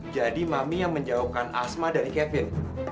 jadi mami yang menjauhkan asma dari kevin